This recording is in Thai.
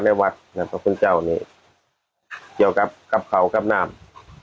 และวัดเนี่ยพระคุณเจ้าเนี่ยเกี่ยวกับกับเขากับนามครับ